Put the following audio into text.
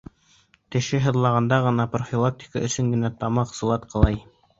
Теше һыҙлағанда ғына, профилактика өсөн генә тамаҡ сылатҡылай.